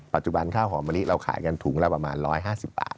ปัจจุบันข้าวหอมะลิเราขายกันถุงละประมาณ๑๕๐บาท